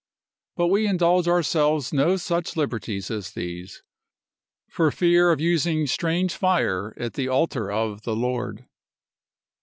But we indulge ourselves no such liberties as these, for fear of using strange fire at the altar of the Lord.